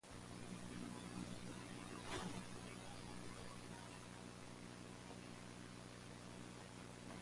His autobiography, "Memoirs of a Private Man", was published that same year.